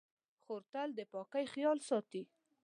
خور تل د پاکۍ خیال ساتي.